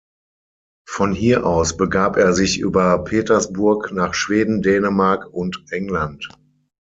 Von hier aus begab er sich über Petersburg nach Schweden, Dänemark und England.